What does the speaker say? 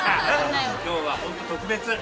今日はホント特別。